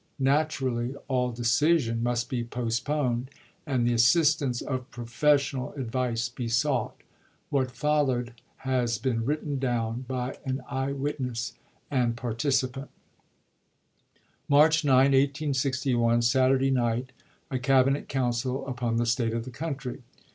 Naturally all decision must be postponed, and the assistance of professional advice be sought. What followed has been written down by an eye witness and participant : March 9, 1861, Saturday night, — A Cabinet council upon the state of the country.